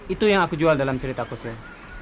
itu yang aku jual dalam cerita aku sil